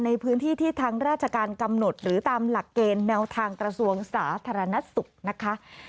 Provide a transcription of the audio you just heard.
ในพื้นที่ที่ทางราชการกำหนดหรือตามหลักเกณฑ์แนวทางกระทรวงสาธารณสุขนะคะ